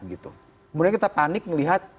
kemudian kita panik melihat